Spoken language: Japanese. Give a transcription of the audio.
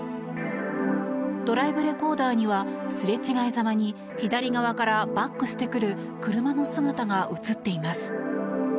ドライブレコーダーにはすれ違いざまに左側からバックしてくる車の姿が映っています。